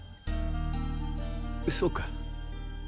そうか。